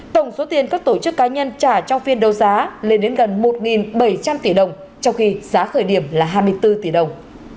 tổng số tiền các tổ chức cá nhân trả trong phiên đấu giá lên đến gần một bảy trăm linh tỷ đồng trong khi giá khởi điểm là hai mươi bốn tỷ đồng